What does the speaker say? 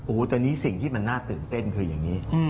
โอ้โหตอนนี้สิ่งที่มันน่าตื่นเต้นคืออย่างนี้